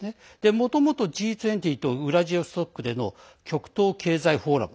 もともと、Ｇ２０とウラジオストクでの極東経済フォーラム